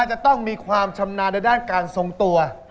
จะต้องมีความชำนาญในด้านการทรงตัว